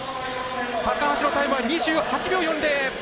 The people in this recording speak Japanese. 高橋のタイムは２８秒４０。